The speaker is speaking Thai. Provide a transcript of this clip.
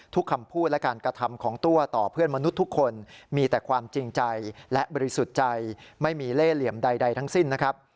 คำพูดและการกระทำของตัวต่อเพื่อนมนุษย์ทุกคนมีแต่ความจริงใจและบริสุทธิ์ใจไม่มีเล่เหลี่ยมใดทั้งสิ้นนะครับ